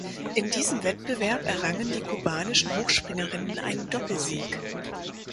In diesem Wettbewerb errangen die kubanischen Hochspringerinnen einen Doppelsieg.